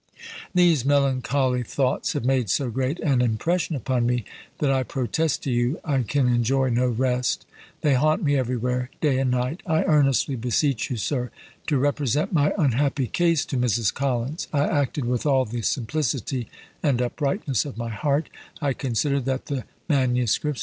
These melancholy thoughts have made so great an impression upon me, that I protest to you I can enjoy no rest; they haunt me everywhere, day and night. I earnestly beseech you, sir, to represent my unhappy case to Mrs. Collins. I acted with all the simplicity and uprightness of my heart; I considered that the MSS.